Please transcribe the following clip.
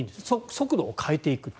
速度を変えていく。